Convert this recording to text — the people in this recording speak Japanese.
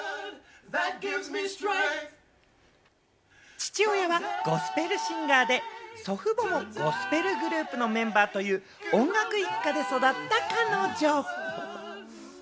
父親はゴスペルシンガーで、祖父母もゴスペルグループのメンバーという音楽一家で育った彼女。